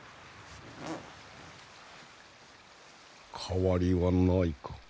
変わりはないか？